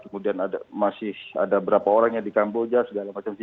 kemudian masih ada berapa orang yang di kamboja segala macam